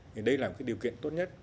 thì đây là điều kiện tốt nhất